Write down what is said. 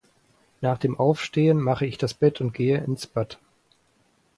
Nach dem Aufstehen mache ich das Bett und gehe ins Bad.